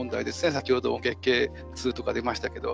先ほども月経痛とか出ましたけど。